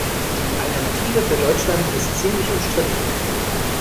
Die Alternative für Deutschland ist ziemlich umstritten.